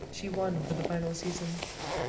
She won for the final season.